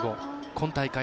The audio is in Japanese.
今大会